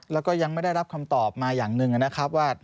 แล้วก็ยังไม่ได้รับคำตอบมาอย่างหนึ่งนะครับว่า